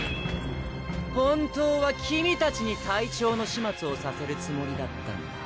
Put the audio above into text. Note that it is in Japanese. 本当は君たちに隊長の始末をさせるつもりだったんだ